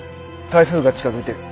台風が近づいてる。